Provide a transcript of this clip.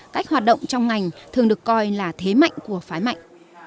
cách hoạt động trong ngành thường được coi là thế mạnh của phái mạnh